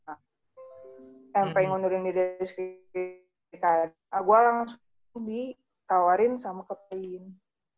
nah gue langsung ditawarin sama ke tiga ini